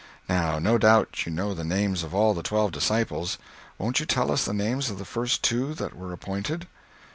Now, no doubt you know the names of all the twelve disciples. Won't you tell us the names of the first two that were appointed?"